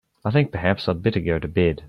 I think perhaps I'd better go to bed.